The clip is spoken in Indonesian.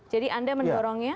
jadi anda mendorongnya